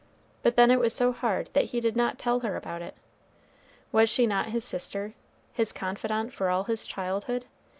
But then it was so hard that he did not tell her about it. Was she not his sister? his confidant for all his childhood?